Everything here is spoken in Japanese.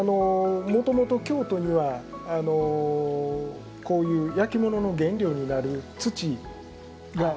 もともと京都にはこういう焼き物の原料になる土が取れないんです。